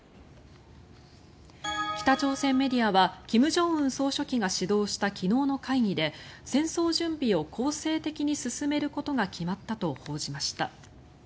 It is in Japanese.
北朝鮮メディアは金正恩総書記が指導した昨日の会議で戦争準備を攻勢的に進めることが決まったと報じました。